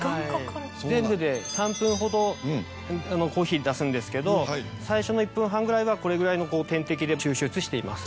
全部で３分ほどコーヒー出すんですけど最初の１分半ぐらいはこれぐらいの点滴で抽出しています。